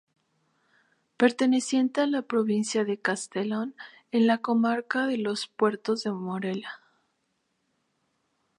Perteneciente a la provincia de Castellón, en la comarca de Los Puertos de Morella.